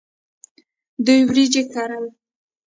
دوی وریجې کرل.